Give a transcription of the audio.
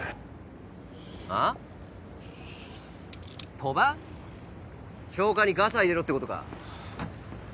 賭場⁉丁花にガサ入れろってことか？